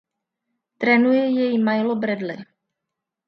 Trénuje jej Milo Bradley.